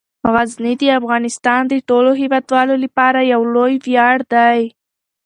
غزني د افغانستان د ټولو هیوادوالو لپاره یو لوی ویاړ دی.